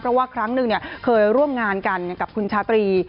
เพราะว่าครั้งหนึ่งเคยร่วมงานกันกับคุณชาตรี